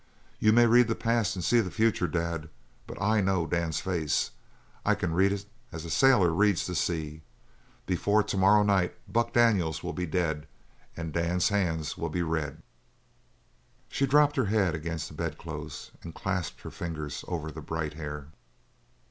You may read the past and see the future, Dad, but I know Dan's face. I can read it as the sailor reads the sea. Before to morrow night Buck Daniels will be dead; and Dan's hands will be red." She dropped her head against the bedclothes and clasped her fingers over the bright hair.